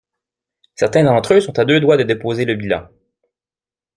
Certains d’entre eux sont à deux doigts de déposer le bilan.